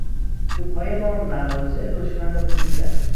توپهای ما مواضع دشمن را کوبیدند.